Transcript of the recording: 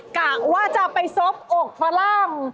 กะว่าจะไปซบอกฝรั่ง